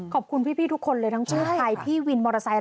ขอบคุณพี่ทุกคนเลยทั้งกู้ภัยพี่วินมอเตอร์ไซค์